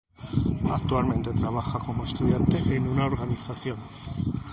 Actualmente trabaja como estudiante en una organización